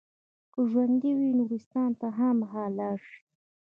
که ژوندي وي نورستان ته خامخا لاړ شئ.